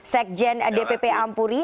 sekjen dpp ampuri